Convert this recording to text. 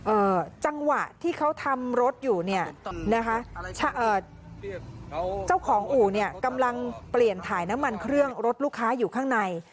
จังหวะที่เขาทำรถอยู่เนี่ยนะคะเอ่อเจ้าของอู่เนี่ยกำลังเปลี่ยนถ่ายน้ำมันเครื่องรถลูกค้าอยู่ข้างใน